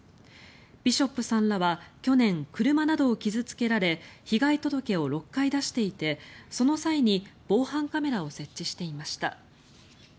ビショップさんらは去年、車などを傷付けられ被害届を６回出していてその際に防犯カメラを設置していました。